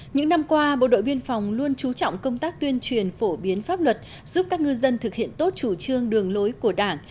những năm qua bộ đội biên phòng luôn trú trọng công tác tuyên truyền phổ biến pháp luật giúp các ngư dân thực hiện tốt chủ trương đường lối của đảng